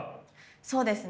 そうですね。